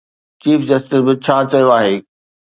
Chief justice به ڇا چيو آهي؟